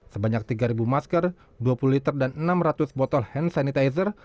sebanyak tiga masker dua puluh liter dan enam ratus botol hand sanitizer